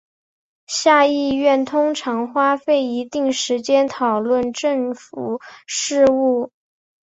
下议院通常花费一定时间讨论政府事务。